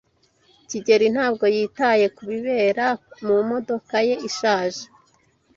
kigeli ntabwo yitaye kubibera mumodoka ye ishaje.